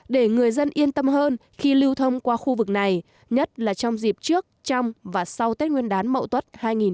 để người dân yên tâm hơn khi lưu thông qua khu vực này nhất là trong dịp trước trong và sau tết nguyên đán mậu tuất hai nghìn hai mươi